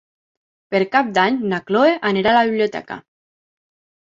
Per Cap d'Any na Chloé anirà a la biblioteca.